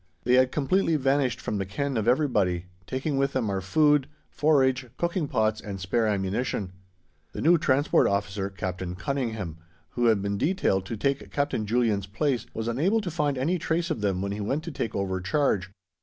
They had completely vanished from the ken of everybody, taking with them our food, forage, cooking pots, and spare ammunition. The new Transport Officer, Captain Cunningham, who had been detailed to take Captain Julian's place, was unable to find any trace of them when he went to take over charge.